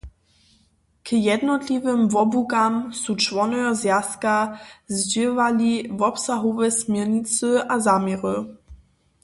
K jednotliwym wobłukam su čłonojo zwjazka zdźěłali wobsahowe směrnicy a zaměry.